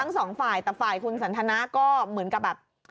ทั้งสองฝ่ายแต่ฝ่ายคุณสันทนาก็เหมือนกับแบบ